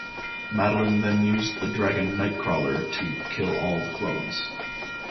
Madelyne then used the dragon Nightcrawler to kill all the clones.